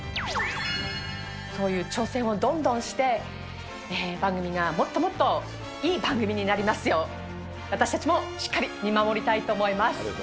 そういう挑戦をどんどんして、番組がもっともっといい番組になりますよう、私たちもしっかり見守りたいと思います。